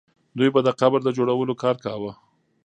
دوی به د قبر د جوړولو کار کاوه.